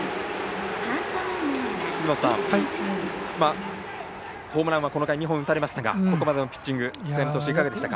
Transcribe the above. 杉本さん、ホームランはこの回２本打たれましたがここまでのピッチングはいかがでしたか？